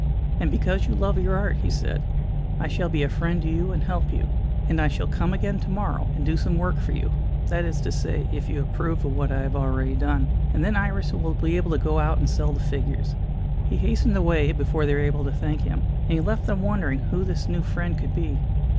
"And because you love your art," he said, "I shall be a friend to you and help you. And I shall come again to morrow and do some work for you that is to say, if you approve of what I have already done, and then Iris will be able to go out and sell the figures." He hastened away before they were able to thank him, and he left them wondering who this new friend could be.